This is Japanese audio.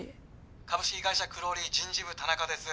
株式会社クローリー人事部田中です。